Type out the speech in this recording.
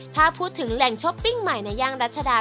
ถ้าพูดถึงแหล่งช้อปปิ้งใหม่ในย่างรัชดา